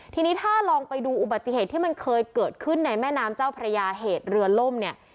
ทีนี้ถ้าลองไปดูอุบัติเหตุที่มันเคยเกิดขึ้นในแม่น้ำเจ้าพระยาเหตุเรือล่มเนี่ย